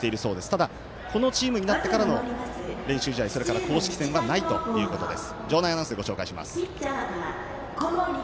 ただ、このチームになってからの練習試合それから公式戦はないということです。